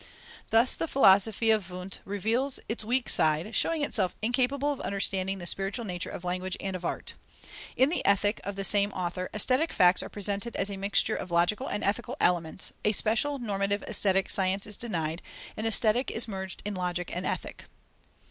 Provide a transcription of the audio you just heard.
Thus the philosophy of Wundt reveals its weak side, showing itself incapable of understanding the spiritual nature of language and of art. In the Ethic of the same author, aesthetic facts are presented as a mixture of logical and ethical elements, a special normative aesthetic science is denied, and Aesthetic is merged in Logic and Ethic.